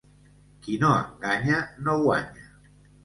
Qui no enganya no guanya.